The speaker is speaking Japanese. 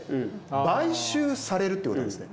買収されるってことなんですね。